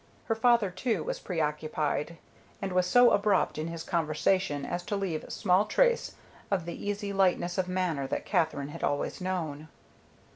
Her father, too, was preoccupied, and was so abrupt in his conversation as to leave small trace of the easy lightness of manner that Katherine had always known.